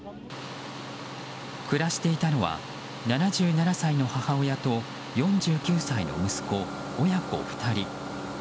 暮らしていたのは７７歳の母親と４９歳の息子親子２人。